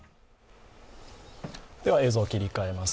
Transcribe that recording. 映像切り替えます。